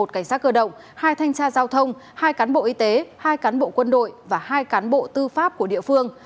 một cảnh sát cơ động hai thanh tra giao thông hai cán bộ y tế hai cán bộ quân đội và hai cán bộ tư pháp của địa phương